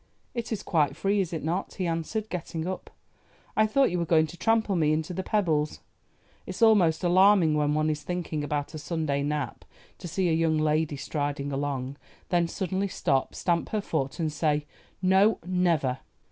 "It is quite free, is it not?" he answered, getting up. "I thought you were going to trample me into the pebbles. It's almost alarming when one is thinking about a Sunday nap to see a young lady striding along, then suddenly stop, stamp her foot, and say, 'No, never!